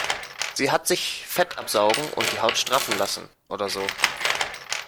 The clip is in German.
Sie hat sich Fett absaugen und die Haut straffen lassen oder so.